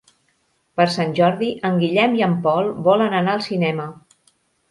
Per Sant Jordi en Guillem i en Pol volen anar al cinema.